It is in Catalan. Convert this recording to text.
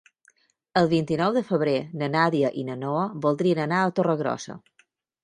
El vint-i-nou de febrer na Nàdia i na Noa voldrien anar a Torregrossa.